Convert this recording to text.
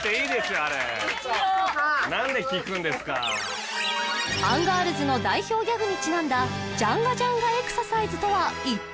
あれ一応アンガールズの代表ギャグにちなんだジャンガジャンガエクササイズとは一体？